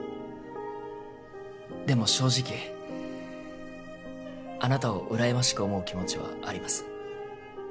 でも正直あなたをうらやましく思う気持ちはあります